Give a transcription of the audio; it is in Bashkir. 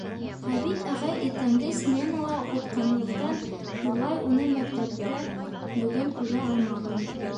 Ғәбит ағай иртәнге сменала уҡытҡанлыҡтан, Юлай уны мәктәптә бөгөн күрә алмағайны.